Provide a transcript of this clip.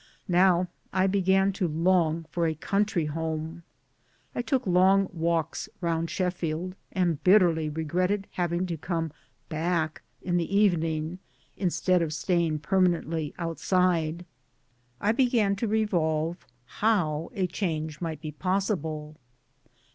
Now I began to long for a country home. I took long! walks round Sheffield, and bitterly regretted having to come back in the evening, instead of staying permanently outside. I began to revolve how a change might be possible.